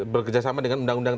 bekerjasama dengan undang undang